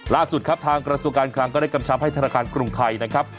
ล่าสุดครับทางกระทรวงการคลังก็ได้กำชับให้ธนาคารกรุงไทยนะครับ